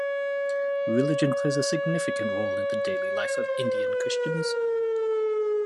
Religion plays a significant role in the daily life of Indian Christians.